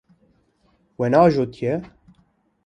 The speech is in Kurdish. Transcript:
We neajotiye.